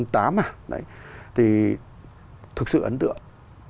thì thực sự ấn tượng